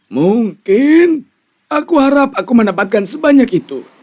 mungkin aku harap aku mendapatkan sebanyak itu